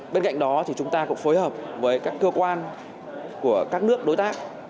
bên cạnh đó thì chúng ta cũng phối hợp với các cơ quan của các nước đối tác